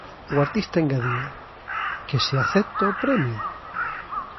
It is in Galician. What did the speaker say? O artista engadía: que se acepto o premio?